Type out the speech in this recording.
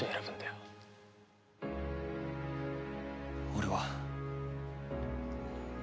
俺は。